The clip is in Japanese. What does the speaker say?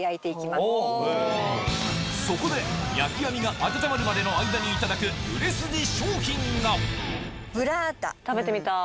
そこで焼き網が温まるまでの間にいただく食べてみたい。